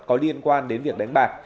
có liên quan đến việc đánh bạc